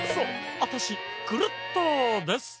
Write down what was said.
アタシクルットです！